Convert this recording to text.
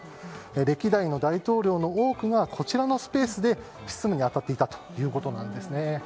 歴代の大統領の多くがこちらのスペースで執務に当たっていたということなんですね。